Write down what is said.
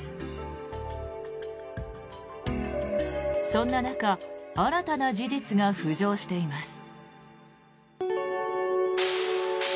そんな中新たな事実が浮上しています。